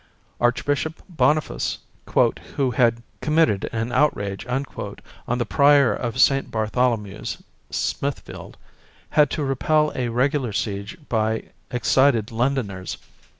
Archbishop Boniface, "who had com mitted an outrage" on the Prior of St. Bartholomew's, Smithfield, had to repel a regular siege by excited Londoners.